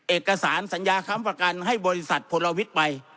เอกสารสัญญาค้ำประกันให้บริษัทพลวิทย์ไป